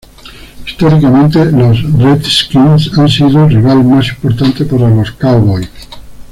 Históricamente los Redskins han sido el rival más importante para los Cowboys.